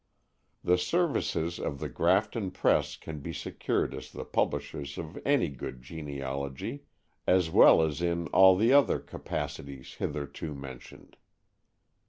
The services of The Grafton Press can be secured as the publishers of any good genealogy, as well as in all the other capacities hitherto mentioned.